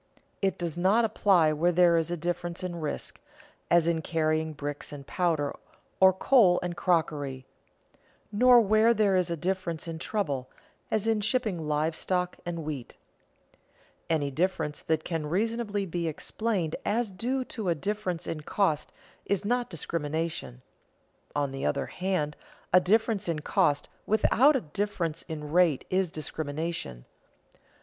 It does not apply where there is a difference in risk, as in carrying bricks and powder, or coal and crockery; nor where there is a difference in trouble, as in shipping live stock and wheat. Any difference that can reasonably be explained as due to a difference in cost is not discrimination; on the other hand a difference in cost without a difference in rate is discrimination.